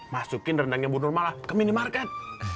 masukin rendangnya bu nur malah ke minimarket